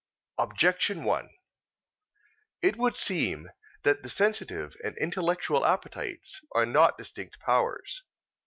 Objection 1: It would seem that the sensitive and intellectual appetites are not distinct powers.